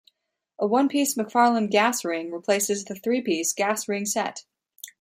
A one-piece McFarland gas ring replaces the three-piece gas ring set.